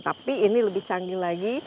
tapi ini lebih canggih lagi